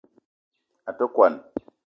A te kwuan